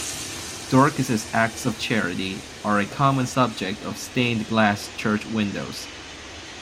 Dorcas' acts of charity are a common subject of stained glass church windows.